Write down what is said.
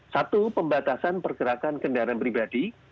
satu pembatasan pergerakan kendaraan pribadi